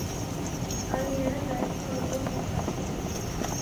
კარიერა დაიწყო როგორც მსახიობმა.